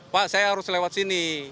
pak saya harus lewat sini